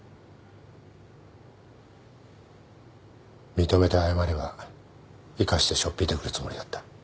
認めて謝れば生かしてしょっぴいてくるつもりだった。